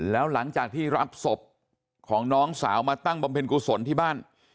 แล้วหลังจากที่รับศพของน้องสาวมาตั้งบำเพ็ญกุศลที่บ้าน